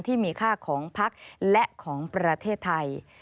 ที่มีค่าของพักและของประเทศไทย